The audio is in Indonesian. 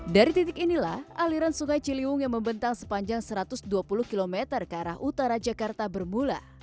dari titik inilah aliran sungai ciliwung yang membentang sepanjang satu ratus dua puluh km ke arah utara jakarta bermula